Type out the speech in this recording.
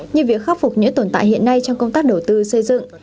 như việc khắc phục những tồn tại hiện nay trong công tác đầu tư xây dựng